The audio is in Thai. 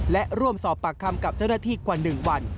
และร่วมสอบปากคำกับเจ้าหน้าที่กว่า๑วัน